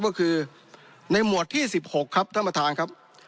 ก็คือในหมวดที่๑๖ครับท่านประธานครับ